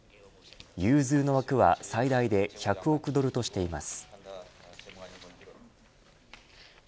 融通の枠は最大で１００億ドルとしています。